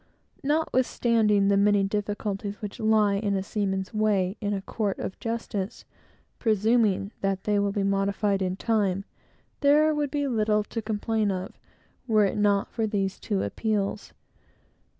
Notwithstanding the many difficulties which lie in a seaman's way in a court of justice, presuming that they will be modified in time, there would be little to complain of, were it not for these two appeals.